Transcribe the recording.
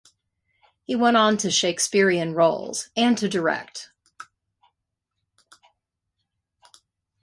He went on to Shakespearean roles, and to direct.